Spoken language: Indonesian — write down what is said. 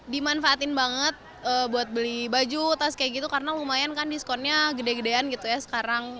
dimanfaatin banget buat beli baju tas kayak gitu karena lumayan kan diskonnya gede gedean gitu ya sekarang